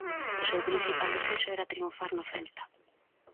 O seu principal desexo era triunfar no Celta.